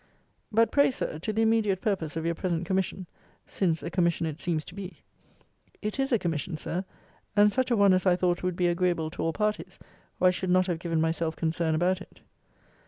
But, pray, Sir, to the immediate purpose of your present commission; since a commission it seems to be? It is a commission, Sir; and such a one, as I thought would be agreeable to all parties, or I should not have given myself concern about it.